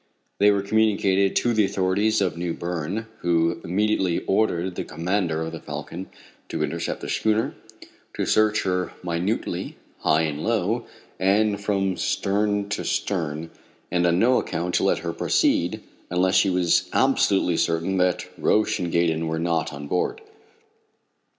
They were communicated to the authorities of New Berne, who immediately ordered the commander of the Falcon to intercept the schooner, to search her minutely high and low, and from stem to stern, and on no account to let her proceed, unless he was absolutely certain that Roch and Gaydon were not on board.